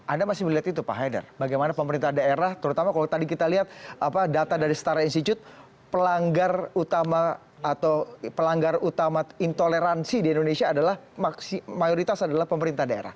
anda masih melihat itu pak haidar bagaimana pemerintah daerah terutama kalau tadi kita lihat data dari setara institut pelanggar utama atau pelanggar utama intoleransi di indonesia adalah mayoritas adalah pemerintah daerah